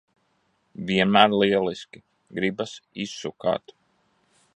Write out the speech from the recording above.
Vienmēr lieliski! Gribas izsukāt.